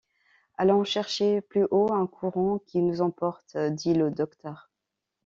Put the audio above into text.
Allons chercher plus haut un courant qui nous emporte, dit le docteur.